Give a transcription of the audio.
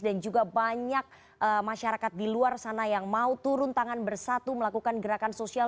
dan juga banyak masyarakat di luar sana yang mau turun tangan bersatu melakukan gerakan sosial